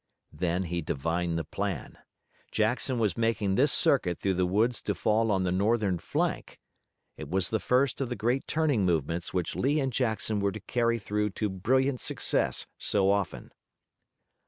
Then he divined the plan. Jackson was making this circuit through the woods to fall on the Northern flank. It was the first of the great turning movements which Lee and Jackson were to carry through to brilliant success so often.